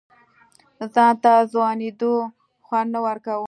ځان ته ځوانېدو خوند نه ورکوه.